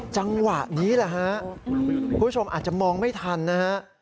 จังหวะนี้แหละฮะคุณผู้ชมอาจจะมองไม่ทันนะฮะ